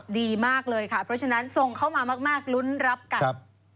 ดีมากเลยค่ะเพราะฉะนั้นส่งเข้ามามากลุ้นรับกัน